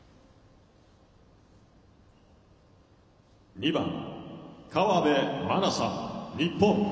２番河辺愛菜さん、日本。